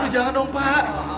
lu jangan dong pak